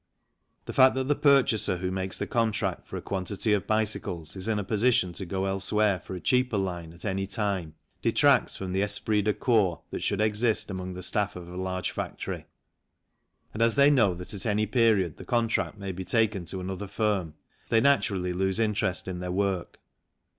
The fact that the purchaser who makes the contract for a quantity of bicycles is in a position to go elsewhere for a cheaper line at any time detracts from the esprit de corps that should exist among the staff of a large factory, and as they know that at any period the contract may be taken to another firm, they naturally lose interest in their work.